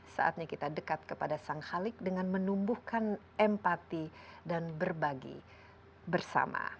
saatnya kita dekat kepada sang khalik dengan menumbuhkan empati dan berbagi bersama